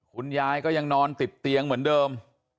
คุณยายก็ยังนอนติดเตียงเหมือนเดิม